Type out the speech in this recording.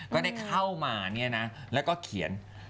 ก็ได้เข้ามาเนี่ยนะแล้วก็เขียน